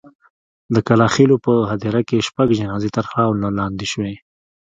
د کلا خېلو په هدیره کې شپږ جنازې تر خاورو لاندې شوې.